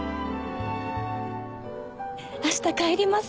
明日帰ります。